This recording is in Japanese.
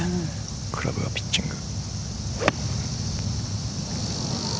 クラブはピッチング。